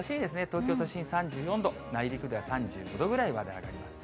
東京都心３４度、内陸では３５度ぐらいまで上がります。